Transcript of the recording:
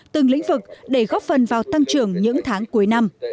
từng lĩnh vực để góp phần vào tăng trưởng những tháng cuối năm